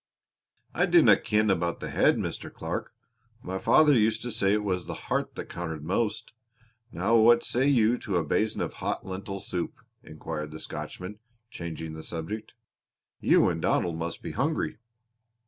"I dinna ken about the head, Mr. Clark. My father used to say it was the heart that counted most. Now what say you to a basin of hot lentil soup?" inquired the Scotchman, changing the subject. "You and Donald must be hungry."